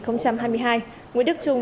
năm hai nghìn hai mươi hai nguyễn đức trung